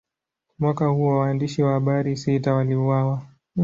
Mwaka huo, waandishi wa habari sita waliuawa.